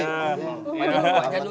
banyak orang yang luar